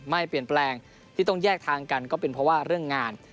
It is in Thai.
ไม่เปลี่ยนแปลงที่ต้องแยกทางกันก็เป็นเพราะว่าเรื่องงาน